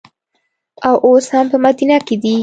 او اوس هم په مدینه کې دي.